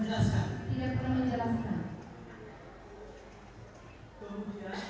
jangan aku menyalahkan